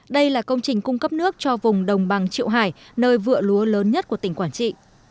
đây là công trình cung cấp nước cho vùng đồng bằng triệu hải nơi vựa lúa lớn nhất của tỉnh quảng trị